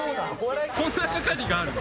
そんな係りがあるの？